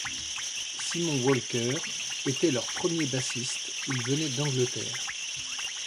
Simon Walker était leur premier bassiste, il venait d'Angleterre.